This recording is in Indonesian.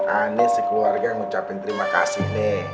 aneh si keluarga ngucapin terima kasih nih